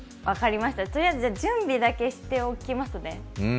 とりあえず準備だけしておきますね。